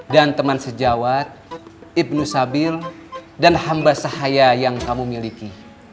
dan teman sejawat ibnu sabil dan hamba sahaya yang kamu miliki